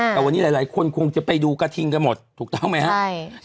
แต่วันนี้หลายคนคงจะไปดูกระทิงกันหมดถูกต้องไหมครับ